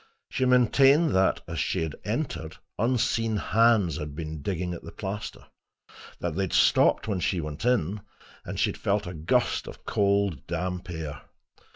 She maintained that, as she entered, unseen hands had been digging at the plaster; that they had stopped when she went in, and she had felt a gust of cold damp air.